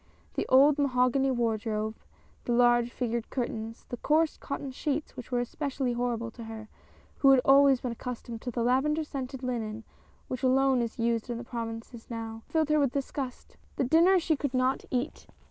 The old mahogany wardrobe, the large figured curtains, the coarse cotton sheets which were especially horrible to her who had always been accustomed to the lavender scented linen which alone CLOTILDE. 81 is used in the provinces, now filled her with disgust. The dinner she could not eat.